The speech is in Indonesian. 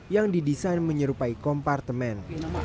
yang didesain menyerupai kompartemen